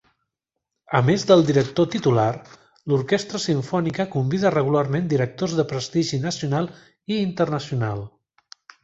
A més del director titular, l'Orquestra Simfònica convida regularment directors de prestigi nacional i internacional.